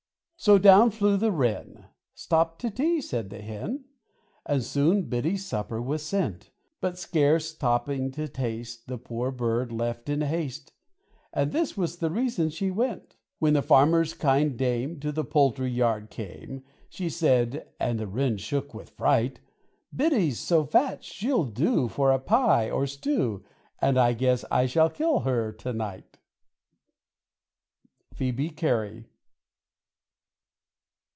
So down flew the Wren, "Stop to tea," said the Hen; And soon Biddy's supper was sent; But scarce stopping to taste, The poor bird left in haste, And this was the reason she went: When the farmer's kind dame To the poultry yard came, She said and the Wren shook with fright "Biddy's so fat she'll do For a pie or a stew, And I guess I shall kill her to night." _Phoebe Cary.